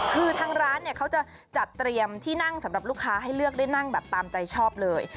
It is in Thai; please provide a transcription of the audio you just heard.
คือทางร้านเนี่ยเขาจะจัดเตรียมที่นั่งสำหรับลูกค้าให้เลือกได้นั่งแบบตามใจชอบเลย